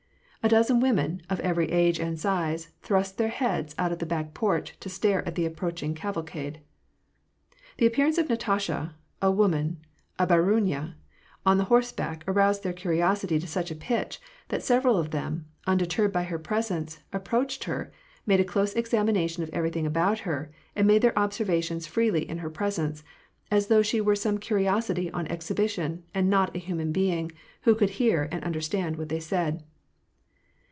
A dozen women, of every age and size, thrust their heads out of the back porch to stare at the approaching caval cade. The appearance of Natasha — a woman, a bdruinya — on horseback aroused their curiosity to such a pitch, that several of them, undeterred by her pi esence, approached her, made a close examination of everything about her, and made their observations freely in her presence ; as though she were some curiosity on exhibition, and not a human being, who could hear and understand what they said.